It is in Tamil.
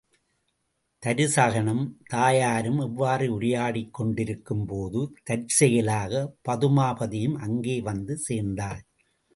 தருசகனும் தாயாரும் இவ்வாறு உரையாடிக் கொண்டிருக்கும் போது தற்செயலாகப் பதுமாபதியும் அங்கே வந்து சேர்ந்தாள்.